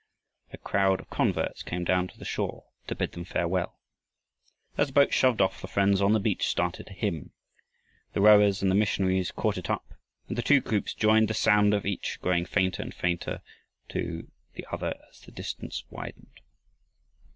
A crowd of converts came down to the shore to bid them farewell. As the boat shoved off the friends on the beach started a hymn. The rowers and the missionaries caught it up and the two groups joined, the sound of each growing fainter and fainter to the other as the distance widened.